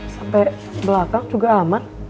sampai belakang juga aman